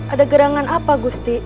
ada gerangan apa gusti